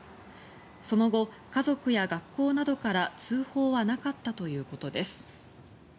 その後家族や学校などから通報はなかったということです。